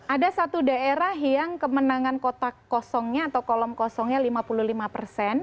ada satu daerah yang kemenangan kotak kosongnya atau kolom kosongnya lima puluh lima persen